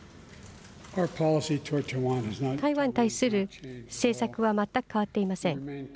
台湾に対する政策は全く変わっていません。